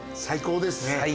最高ですね。